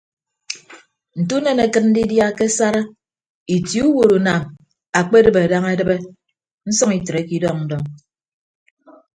Nte unen akịt ndidia ke asara itie uwotunam ekpedịbe daña edịbe nsʌñ itreke idọñ ndọñ.